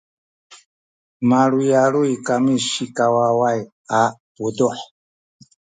maluyaluyay kami sikawaway a puduh